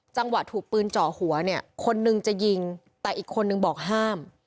จังหวะถูกปืนเจาะหัวเนี่ยคนนึงจะยิงแต่อีกคนนึงบอกห้าม